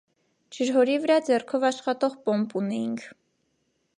Ջրհորի վրա ձեռքով աշխատող պոմպ ունեինք: